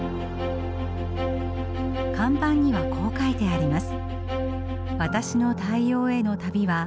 看板にはこう書いてあります。